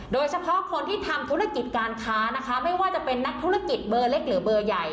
โดยเฉพาะคนที่ทำธุรกิจการค้านะคะไม่ว่าจะเป็นนักธุรกิจเบอร์เล็กหรือเบอร์ใหญ่